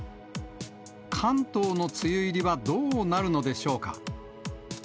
関東の梅雨入りはどうなるのでしょうか。